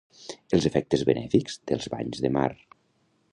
Els efectes benèfics dels banys de mar.